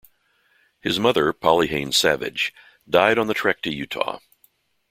His mother, Polly Haynes Savage, died on the trek to Utah.